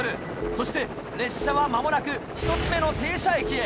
そして列車は間もなく１つ目の停車駅へ。